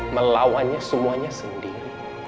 melawannya semuanya sendiri